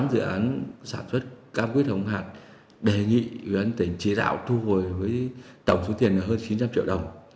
dự án sản xuất cam quyết hồng hạt đề nghị huyện tỉnh trí rạo thu hồi với tổng số tiền hơn chín trăm linh triệu đồng